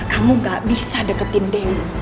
kamu gak bisa deketin dewi